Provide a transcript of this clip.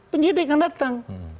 penyidik yang datang